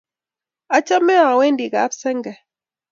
Achame awendi kap senge